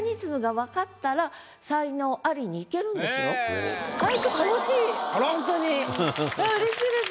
わあうれしいです。